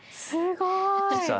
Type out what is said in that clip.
すごい！